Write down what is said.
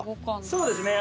そうですね。